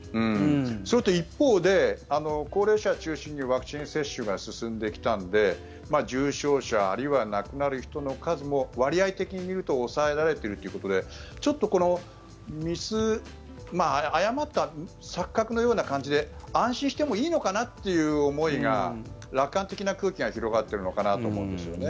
一方で高齢者中心にワクチン接種が進んできたんで重症者、あるいは亡くなる人の数も割合的に見ると抑えられているということで誤った錯覚のような感じで安心してもいいのかなという思いが楽観的な空気が広がっているのかなと思うんですよね。